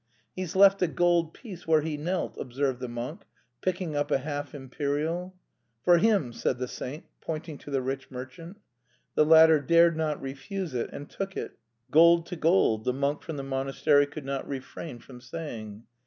"He's left a gold piece where he knelt," observed the monk, picking up a half imperial. "For him!" said the saint, pointing to the rich merchant. The latter dared not refuse it, and took it. "Gold to gold," the monk from the monastery could not refrain from saying.